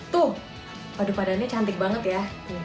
tuh waduh padannya cantik banget ya